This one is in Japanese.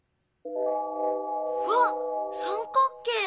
わっ三角形！